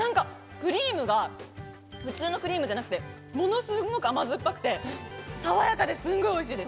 クリームが普通のクリームじゃなくて、ものすごく甘酸っぱくてさわやかで、すごくおいしいです。